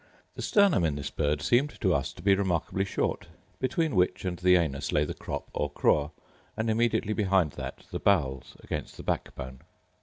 The sternum in this bird seemed to us to be remarkably short, between which and the anus lay the crop, or craw, and immediately behind that the bowels against the backbone.